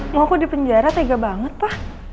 mau aku di penjara tega banget pak